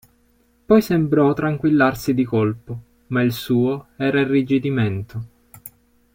Poi sembrò tranquillarsi di colpo, ma il suo era irrigidimento.